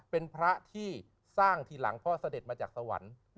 เป็นพระที่สร้างทีหลังพ่อเสด็จมาจากสวรรค์